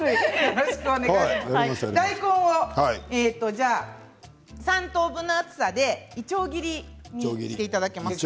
大根を３等分の厚さでいちょう切りにしていただけますか。